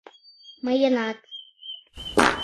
— Мыйынат...